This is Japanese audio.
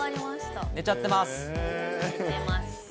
寝ちゃってます。